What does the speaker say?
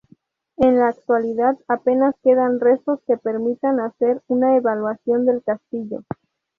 En la actualidad apenas quedan restos que permitan hacer una evaluación del castillo.